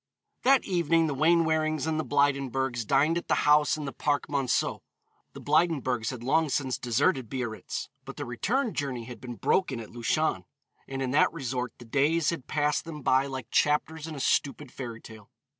That evening the Wainwarings and the Blydenburgs dined at the house in the Parc Monceau. The Blydenburgs had long since deserted Biarritz, but the return journey had been broken at Luchon, and in that resort the days had passed them by like chapters in a stupid fairy tale.